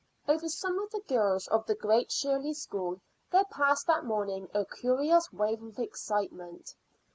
Over some of the girls of the Great Shirley School there passed that morning a curious wave of excitement.